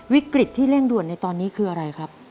วิกฤตที่เร่งด่วนในตอนนี้คืออะไรครับ